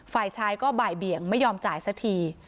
ฝ่ายชายก็บ่ายเบี่ยงไม่ยอมจ่ายสักที